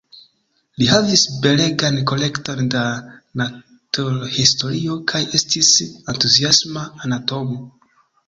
Li havis belegan kolekton da naturhistorio kaj estis entuziasma anatomo.